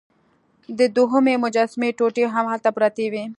د دوهمې مجسمې ټوټې هم هلته پرتې وې.